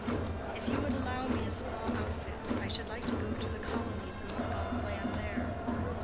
"If you would allow me a small outfit, I should like to go to the colonies and work on the land there."